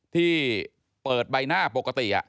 ที่เปิดใบหน้าปกติ